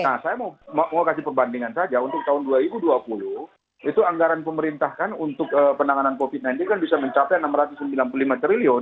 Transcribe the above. nah saya mau kasih perbandingan saja untuk tahun dua ribu dua puluh itu anggaran pemerintah kan untuk penanganan covid sembilan belas kan bisa mencapai rp enam ratus sembilan puluh lima triliun